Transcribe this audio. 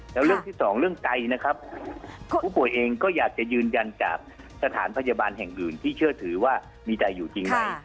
แล้วเรื่องที่สองเรื่องไกลนะครับผู้ป่วยเองก็อยากจะยืนยันจากสถานพยาบาลแห่งอื่นที่เชื่อถือว่ามีใจอยู่จริงไหม